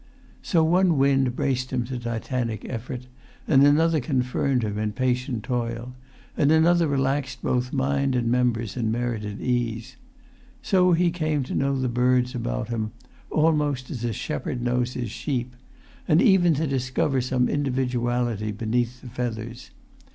So one wind braced him to titanic effort, and another confirmed him in patient toil, and another relaxed both mind and members in merited ease; so he came to know the birds about him, almost as a shepherd knows his sheep, and even to discover some individuality beneath the feathers.